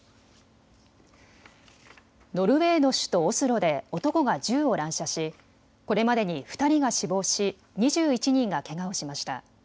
ノルウェーの首都オスロで男が銃を乱射し、これまでに２人が死亡し２１人がけがをしました。